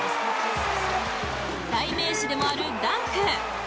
代名詞でもあるダンク。